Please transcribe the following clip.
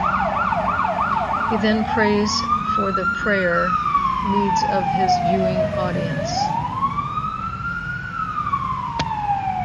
He then prays for the prayer needs of his viewing audience.